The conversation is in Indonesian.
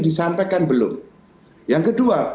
disampaikan belum yang kedua